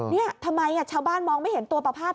นี่ทำไมชาวบ้านมองไม่เห็นตัวประภาพ